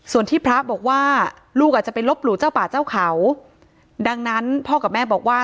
ส่วนที่พระบอกว่าลูกอาจจะไปลบหลู่เจ้าป่าเจ้าเขาดังนั้นพ่อกับแม่บอกว่า